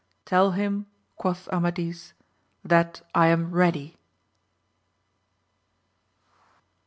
Tell him, quoth Amadis, that I am ready.